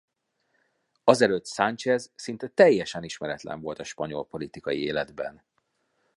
Azelőtt Sánchez szinte teljesen ismeretlen volt a spanyol politikai életben.